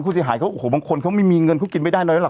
ผู้เสียหายเขาโอ้โหบางคนเขาไม่มีเงินเขากินไม่ได้น้อยแล้วล่ะ